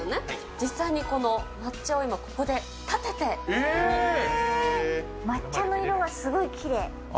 実際にこの抹茶を今、ここでたて抹茶の色がすごいきれい。